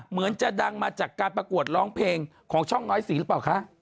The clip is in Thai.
เหมือนจะดังมาจากการประกวดร้องเพลงของช่องน้อยสีหรือเปล่าคะ